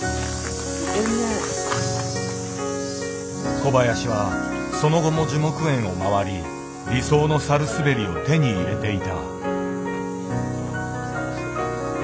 小林はその後も樹木園を回り理想のサルスベリを手に入れていた。